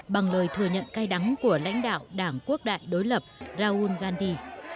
bằng lời thừa nhận cay đắng của lãnh đạo đảng quốc đại đối lập raúl gandhi